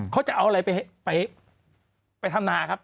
เขาจะเอาอะไรไปทำนาครับ